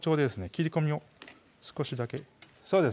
切り込みを少しだけそうです